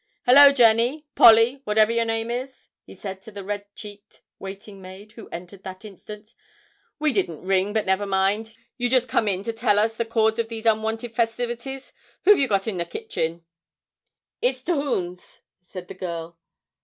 'Hallo, Jennie, Polly, whatever your name is,' he said to the red cheeked waiting maid who entered that instant, 'we didn't ring, but never mind; you just come in time to tell us the cause of these unwonted festivities who've you got in your kitchen?' 'It's t' hoons,' said the girl.